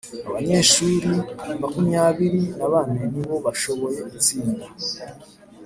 Abanyeshuri makumyabiri na bane ni bo bashoboye gutsinda